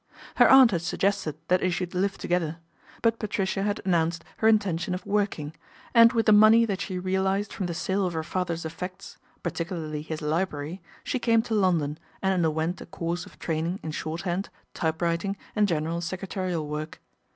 Her aunt had suggested that they should live together ; but Patricia had announced her intention of working, and with the money that she realised from the sale of her father's effects, particularly his library, she came to London and underwent a course of training in shorthand, typewriting, and general secretarial work.